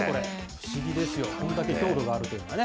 不思議ですよ、これだけ強度があるというのはね。